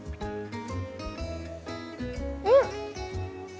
うん！